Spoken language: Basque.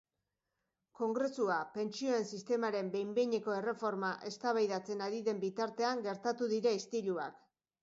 Kongresua pentsioen sistemaren behin-behineko erreforma eztabaidatzen ari den bitartean gertatu dira istiluak.